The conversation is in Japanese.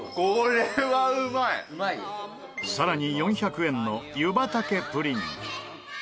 さらに４００円の湯畑プリン。